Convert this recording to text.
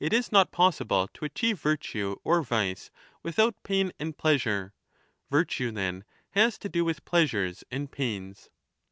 6 1185^ to achieve virtue or vice without pain and pleasure. Virtue then has to do with pleasures and pains.